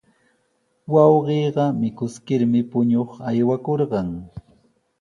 Wawqiiqa mikuskirmi puñuq aywakurqan.